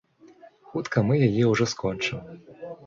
Хутка мы яе ўжо скончым.